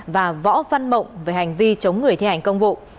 và võ văn mộng về hành vi chống người thi hành công vụ